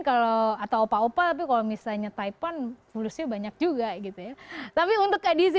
kalau atau opa opa tapi kalau misalnya taipan mulusnya banyak juga gitu ya tapi untuk edisi